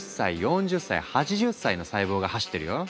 １０歳４０歳８０歳の細胞が走ってるよ。